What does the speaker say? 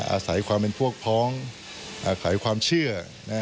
อาศัยความเป็นพวกพ้องอาศัยความเชื่อ